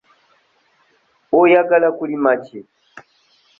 Oyagala kulima ki?